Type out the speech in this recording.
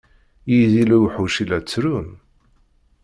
Yid-i lewḥuc i la ttrun.